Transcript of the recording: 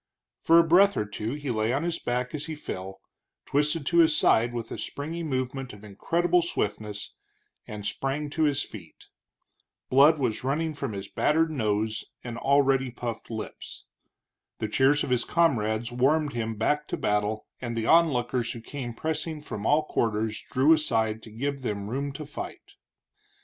For a breath or two he lay on his back as he fell, twisted to his side with a springy movement of incredible swiftness, and sprang to his feet. Blood was running from his battered nose and already puffed lips. The cheers of his comrades warmed him back to battle, and the onlookers who came pressing from all quarters, drew aside to give them room to fight.